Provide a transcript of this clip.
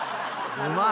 うまい！